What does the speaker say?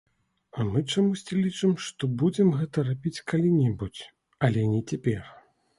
А мы чамусьці лічым, што будзем гэта рабіць калі-небудзь, але не цяпер.